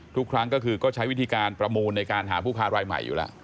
ทุกครั้งก็คือก็ใช้วิธีการประมูลในการหาผู้ค้ารายใหม่อยู่แล้ว